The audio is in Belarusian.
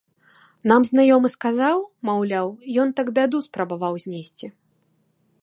Нам знаёмы сказаў, маўляў, ён так бяду спрабаваў знесці.